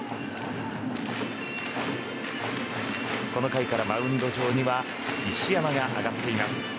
この回からマウンド上には石山が上がっています。